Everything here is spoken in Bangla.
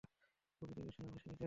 প্রকৃতির বিষয়ে আমাকে শিখাতে এসো না।